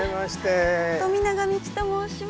富永美樹と申します。